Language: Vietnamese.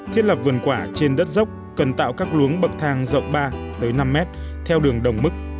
thiết lập vườn quả trên đất dốc cần tạo các luống bậc thang rộng ba năm mét theo đường đồng mức